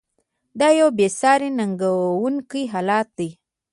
دا یوه بې ساري ننګونکی حالت دی.